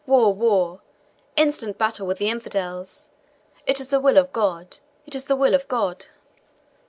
War, war! Instant battle with the infidels! It is the will of God it is the will of God!"